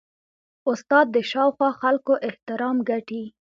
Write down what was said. استاد د شاوخوا خلکو احترام ګټي.